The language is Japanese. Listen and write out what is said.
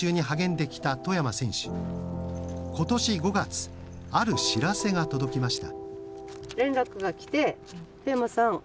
ことし５月ある知らせが届きました。